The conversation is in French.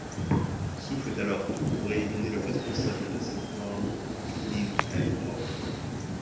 Su fait alors tout pour éliminer le responsable de cette mort, Lim Tae-ho.